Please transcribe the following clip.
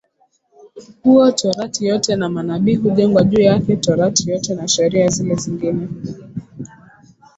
huo torati yote na Manabii hujengwa juu yake Torati yote na Sheria zile zingine